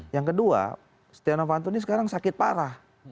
yang kedua setia novanto ini sekarang sakit parah